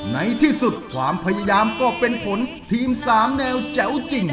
ในที่สุดความพยายามก็เป็นผลทีม๓แนวแจ๋วจริง